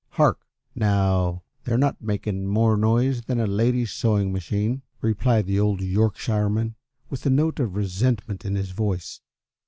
Hark, now, they're not making more noise than a lady's sewing machine," replied the old Yorkshireman, with a note of resentment in his voice.